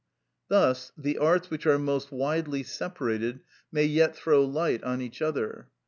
Thus the arts which are most widely separated may yet throw light on each other.